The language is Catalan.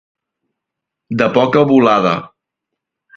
De poca volada.